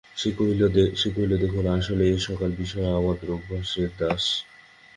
সে কহিল, দেখুন, আসলে এ-সকল বিষয়ে আমরা অভ্যাসের দাস।